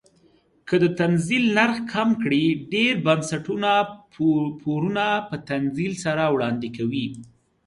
که د تنزیل نرخ کم کړي ډیر بنسټونه پورونه په تنزیل سره وړاندې کوي.